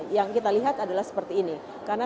yang kita lihat adalah seperti ini karena